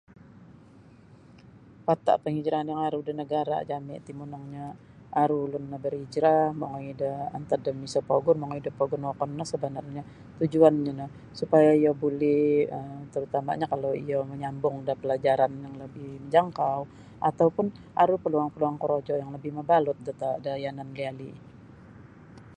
Pata' panghijrahan yang aru da nagara' jami ti monongnyo aru ulun no berhijrah mongoi da antad da miso pogun mongoi da pogun wokon no sebenarnyo tujuannyo no supaya iyo buli um tarutama'nyo kalau iyo manyambung da palajaran yang labih majangkau atau pun aru paluang-paluang korojo yang labih mabalut da ta da yanan liali.